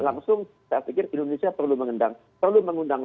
langsung saya pikir indonesia perlu mengundang